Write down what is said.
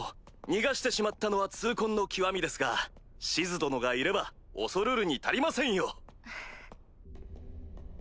逃がしてしまったのは痛恨の極みですがシズ殿がいれば恐るるに足りませんよ！